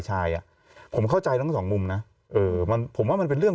อ่ะผมเข้าใจทั้งสองมุมนะเออมันผมว่ามันเป็นเรื่อง